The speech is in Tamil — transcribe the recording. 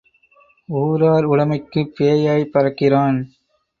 ஊரார் உடைமைக்குப் பேயாய்ப் பறக்கிறான்.